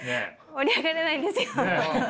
盛り上がれないんですよ。